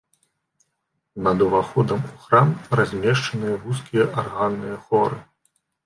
Над уваходам у храм размешчаныя вузкія арганныя хоры.